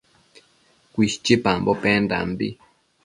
Cuishchipambo pendambi